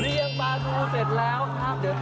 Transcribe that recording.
เรียมปลาทูเสร็จแล้วครับ